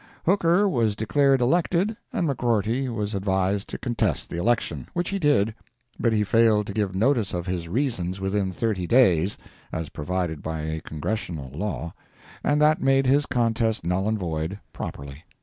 Hooker was declared elected and McGrorty was advised to contest the election—which he did; but he failed to give notice of his reasons within thirty days (as provided by a Congressional law), and that made his contest null and void, properly.